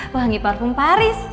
wangi parfum paris